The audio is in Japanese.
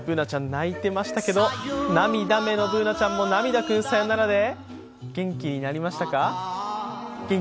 Ｂｏｏｎａちゃん、泣いていましたけど涙目のＢｏｏｎａちゃんも「涙くんさよなら」で元気になりましたか？